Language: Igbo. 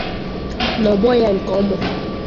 nà ògbò ya nke Ọmọr